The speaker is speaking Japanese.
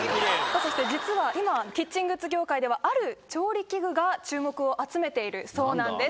さぁそして実は今キッチングッズ業界ではある調理器具が注目を集めているそうなんです。